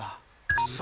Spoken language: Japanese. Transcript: クソ！